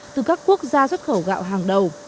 từ các quốc gia xuất khẩu gạo hàng đầu